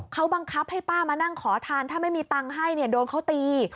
เขาบังคับให้ป้ามานั่งขอทานถ้าไม่มีตังค์ให้เนี่ยโดนเขาตี